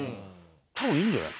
まあいいんじゃない？